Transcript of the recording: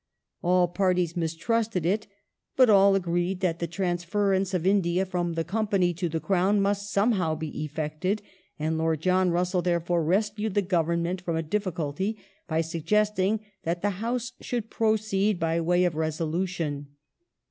All parties mistmsted it, but all agreed that the transference of India from the Company to the Crown must somehow be effected, and Lord John Russell, therefore, rescued the Government from a difficulty by suggesting that the House should proceed by way of resolution.